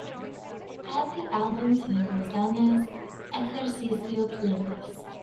Add the album to rosanna's ejercicio playlist.